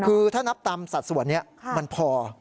คือถ้านับตามสัดส่วนนี้มันพอ